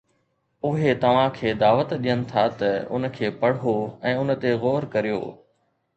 اهي توهان کي دعوت ڏين ٿا ته ان کي پڙهو ۽ ان تي غور ڪريو.